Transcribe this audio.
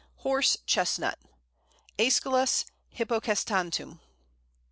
Horse Chestnut (Æsculus hippocastanum).